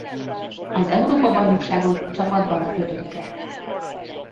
Az Európa-bajnokságon csapatban ötödik lett.